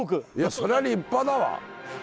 そりゃ立派だわ。